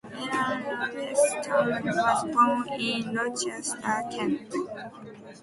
Ellen Lawless Ternan was born in Rochester, Kent.